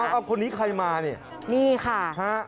เอาคนนี้ใครมาเนี่ยนี่ค่ะฮะ